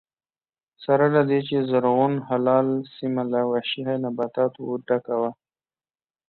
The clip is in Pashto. سره له دې چې زرغون هلال سیمه له وحشي نباتاتو ډکه وه